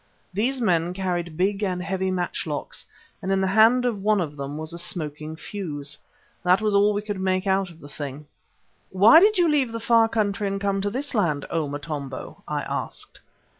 These man carried big and heavy matchlocks, and in the hand of one of them was a smoking fuse. That was all we could make out of the thing. "Why did you leave the far country and come to this land, O Motombo?" I asked.